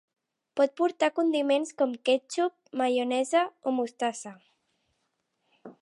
Pot portar condiments com quètxup, maionesa o mostassa.